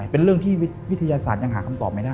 เป็นเรื่องที่วิทยาศาสตร์ยังหาคำตอบไม่ได้